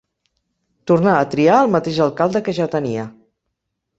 Tornà a triar el mateix alcalde que ja tenia.